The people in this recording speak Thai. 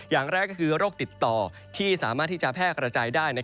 อย่างแรกก็คือโรคติดต่อที่สามารถที่จะแพร่กระจายได้